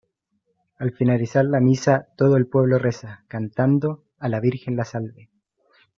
Al finalizar la misa, todo el pueblo reza, cantando, a la virgen La Salve.